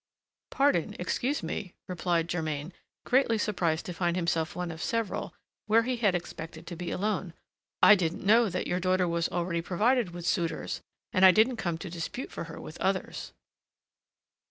"Pardon, excuse me," replied Germain, greatly surprised to find himself one of several, where he had expected to be alone. "I didn't know that your daughter was already provided with suitors, and I didn't come to dispute for her with others."